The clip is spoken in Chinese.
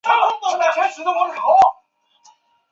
随后苏毗国王没庐赞起兵叛乱。